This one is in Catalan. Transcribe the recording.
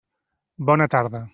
Bona tarda.